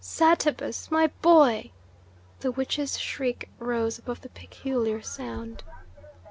"Satabus! My boy!" the witch's shriek rose above the peculiar sound.